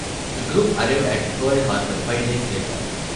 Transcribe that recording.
The group arrived at Pearl Harbor five days later.